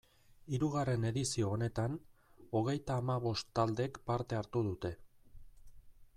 Hirugarren edizio honetan, hogeita hamabost taldek parte hartu dute.